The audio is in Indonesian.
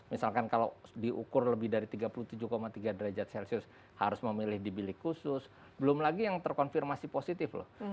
misalkan kalau diukur lebih dari tiga puluh tujuh tiga derajat celcius harus memilih di bilik khusus belum lagi yang terkonfirmasi positif loh